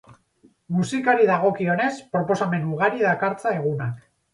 Musikari dagokionez, proposamen ugari dakartza egunak.